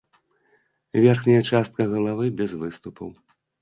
Верхняя частка галавы без выступаў.